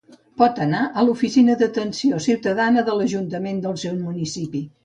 Pot anar a l'oficina d'atenció ciutadana de l'ajuntament del seu municipi.